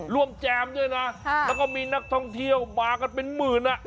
แจมด้วยนะแล้วก็มีนักท่องเที่ยวมากันเป็นหมื่นอ่ะ